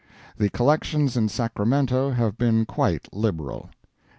The collections in Sacramento have been quite liberal.